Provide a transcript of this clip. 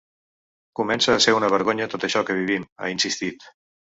“Comença a ser una vergonya tot això que vivim”, ha insistit.